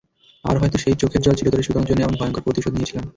আর হয়তো সেই চোখের জল চিরতরে শুকানোর জন্যই এমন ভয়ংকর প্রতিশোধ নিয়েছিলাম।